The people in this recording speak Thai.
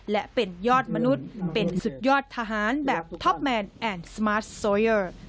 และเป็นยอดมนุษย์เป็นสุดยอดทหารแบบท็อปแมนแอนด์สมาร์ทโซเยอร์